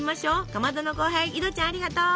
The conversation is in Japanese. かまどの後輩井戸ちゃんありがとう。